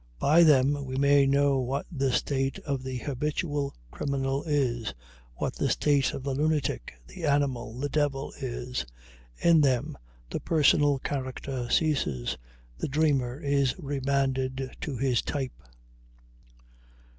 By them we may know what the state of the habitual criminal is, what the state of the lunatic, the animal, the devil is. In them the personal character ceases; the dreamer is remanded to his type.